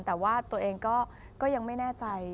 แต่ว่าตัวเองก็ยังไม่แน่ใจ